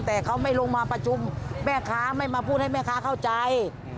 แต่เขาไม่ลงมาประชุมแม่ค้าไม่มาพูดให้แม่ค้าเข้าใจ